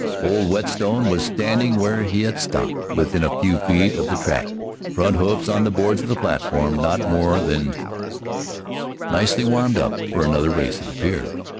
Old Whetstone was standing where he had stopped, within a few feet of the track, front hoofs on the boards of the platform, not more than nicely warmed up for another race, it appeared.